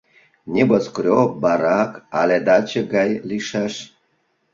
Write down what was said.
Небоскреб, барак але даче гай лийшаш?